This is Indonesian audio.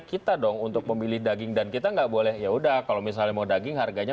kita dong untuk memilih daging dan kita nggak boleh yaudah kalau misalnya mau daging harganya